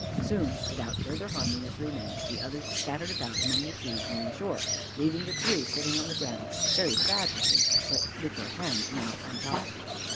Soon, without further harming the three men, the others scattered about among the trees near the shore, leaving the three sitting on the ground very sad looking, but with their hands now untied.